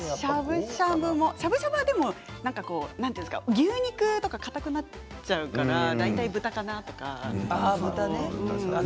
しゃぶしゃぶも牛肉はかたくなっちゃうので大体、豚かな。